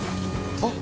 ・あっ！！